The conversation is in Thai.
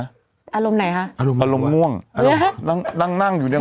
อารมณ์ไหนคะอารมณ์ง่วงอารมณ์นั่งนั่งอยู่เนี่ย